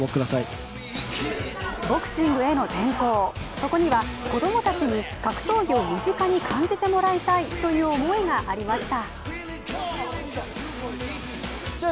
そこには子供たちに格闘技を身近に感じてもらいたいという思いがありました。